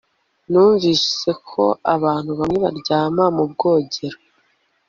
Numvise ko abantu bamwe baryama mubwogero